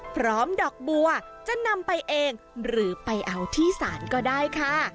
ดอกบัวจะนำไปเองหรือไปเอาที่ศาลก็ได้ค่ะ